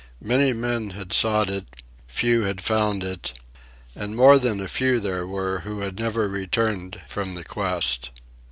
Many men had sought it; few had found it; and more than a few there were who had never returned from the quest.